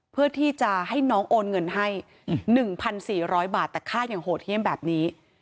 เพื่อที่จะให้น้องโอนเงินให้๑๔๐๐บาทแต่ฆ่าอย่างโหดเยี่ยมแบบนี้